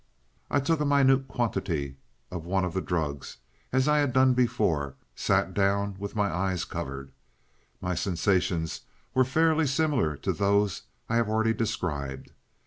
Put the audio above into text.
"I took a minute quantity of one of the drugs, and as I had done before, sat down with my eyes covered. My sensations were fairly similar to those I have already described.